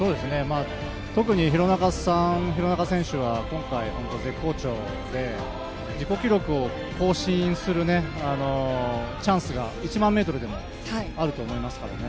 特に廣中選手は今回、本当に絶好調で自己記録を更新するチャンスが１００００ｍでもあると思いますからね。